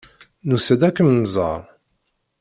Nusa-d ad kem-nẓer.